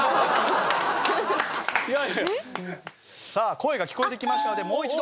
声が聴こえてきましたのでもう一度。